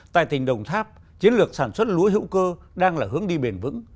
tại tỉnh đồng tháp chiến lược sản xuất lúa hữu cơ đang là hướng đi bền vững